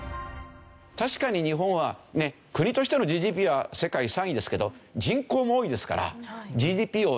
確かに日本は国としてのＧＤＰは世界３位ですけど人口も多いですからＧＤＰを人口で割るとですね